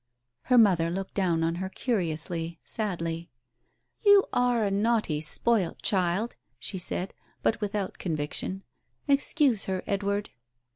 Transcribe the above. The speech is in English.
Her mother looked down on her curiously, sadly. ... "You are a naughty, spoilt child!" she said, but without conviction. "Excuse her, Edward."